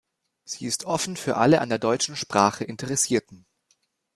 Sie ist offen für alle an der deutschen Sprache Interessierten.